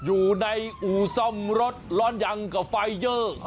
อยู่ในอู่ซ่อมรถร้อนยังกับไฟเยอร์